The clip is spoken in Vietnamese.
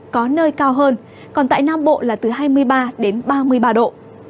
có nơi cao hơn còn tại nam bộ là từ hai mươi ba đến ba mươi ba độ